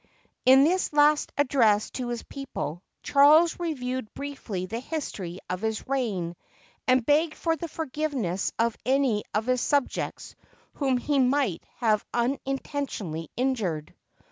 [In this last address to his people, Charles reviewed briefly the history of his reign, and begged for the forgiveness of any of his subjects whom he might have unintentionally injured.